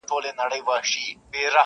ژبي سل ځايه زخمي د شهبازونو-